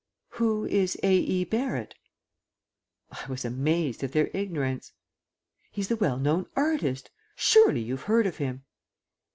"Who is A. E. Barrett?" I was amazed at their ignorance. "He's the well known artist. Surely you've heard of him?"